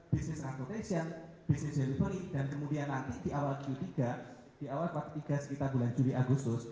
business reputation business delivery dan kemudian nanti di awal q tiga di awal empat puluh tiga sekitar bulan juli agustus